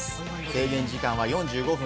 制限時間は４５分。